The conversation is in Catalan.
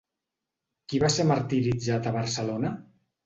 Qui va ser martiritzat a Barcelona?